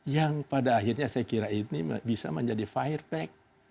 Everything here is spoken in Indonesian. yang pada akhirnya saya kira ini bisa menjadi fire pack